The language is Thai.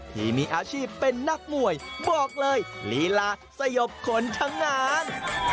ที่มีอาชีพเป็นนักมวยบอกเลยลีลาสยบคนทั้งงาน